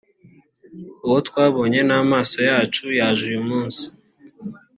uwo twabonye n amaso yacu yaje uyumunsi